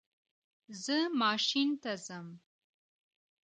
زه ماشین ته ځم